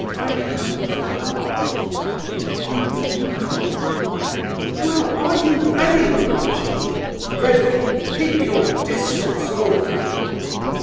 I hadn't the heart, and now—well, are you ready, Rogojin?" "Ready—keep your distance, all of you!"